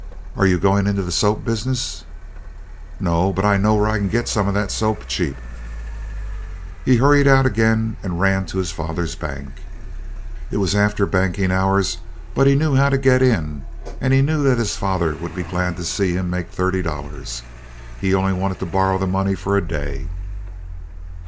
"Are you going into the soap business?" "No. But I know where I can get some of that soap cheap." He hurried out again and ran to his father's bank. It was after banking hours; but he knew how to get in, and he knew that his father would be glad to see him make thirty dollars. He only wanted to borrow the money for a day.